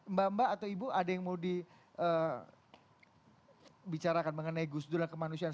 mbak mbak atau ibu ada yang mau dibicarakan mengenai gus dur dan kemanusiaan